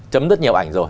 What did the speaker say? chấm rất nhiều ảnh rồi